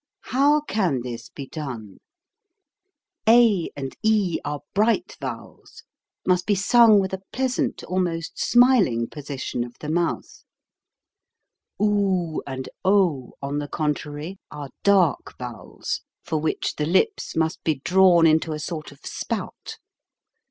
How can this be done ? A and e are bright vowels, must be sung with a pleasant, almost smiling, position of the mouth. Oo and o, on the contrary, are dark vowels, for which THE POSITION OF THE MOUTH 203 the lips must be drawn into a sort of spout.